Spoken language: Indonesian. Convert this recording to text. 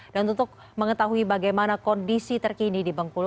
dan untuk mengetahui bagaimana kondisi terkini di bengkulu